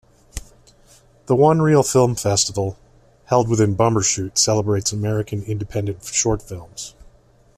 The One Reel Film Festival, held within Bumbershoot, celebrates American independent film shorts.